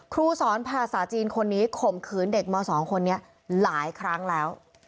ครูสอนภาษาจีนคนนี้ข่มขืนเด็กม๒คนนี้หลายครั้งแล้ว